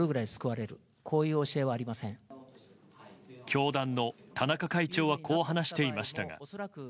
教団の田中会長はこう話していましたが。